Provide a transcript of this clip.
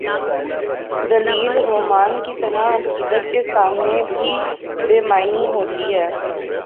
دلیل رومان کی طرح، عقیدت کے سامنے بھی بے معنی ہو تی ہے۔